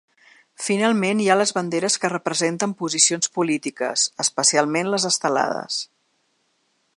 Finalment hi ha les banderes que representen posicions polítiques, especialment les estelades.